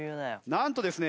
なんとですね